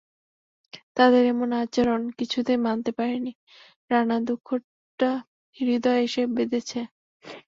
তাদের এমন আচরণ কিছুতেই মানতে পারেননি রানা, দুঃখটা হৃদয়ে এসে বিঁধেছে।